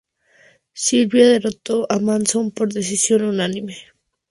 Sylvia derrotó a Monson por decisión unánime.